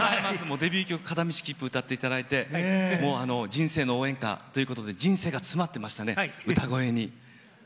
デビュー曲「片道切符」歌っていただいて人生の応援歌ということで人生が詰まってましたね、歌声に。